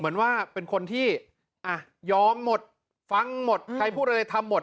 เหมือนว่าเป็นคนที่อ่ะยอมหมดฟังหมดใครพูดอะไรทำหมด